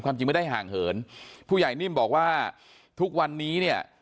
จริงไม่ได้ห่างเหินผู้ใหญ่นิ่มบอกว่าทุกวันนี้เนี่ย